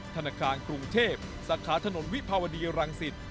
ธนาคารกรุงเทพสาขาถนนวิภาวดีรังสิต